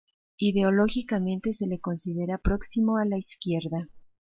Ideológicamente se le considera próximo a la izquierda.